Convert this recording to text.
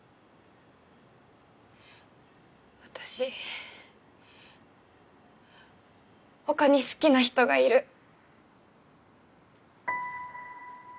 私ほかに好きな人がいる。